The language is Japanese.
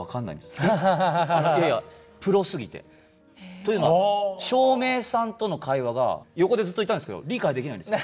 というのは照明さんとの会話が横でずっといたんですけど理解できないんですよ。